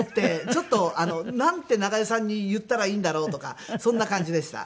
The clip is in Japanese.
ちょっとなんて長与さんに言ったらいいんだろうとかそんな感じでした。